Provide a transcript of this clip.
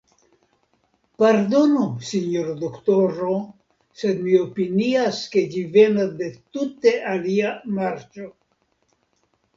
Pardonu, sinjoro doktoro, sed mi opinias, ke ĝi venas de tute alia marĉo.